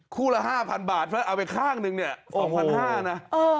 คู่ละ๕๐๐๐บาทเอาอีกข้างนึงเนี่ย๒๕๐๐บาทนะ